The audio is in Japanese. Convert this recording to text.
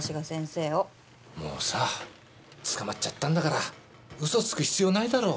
もうさ捕まっちゃったんだから嘘つく必要ないだろ？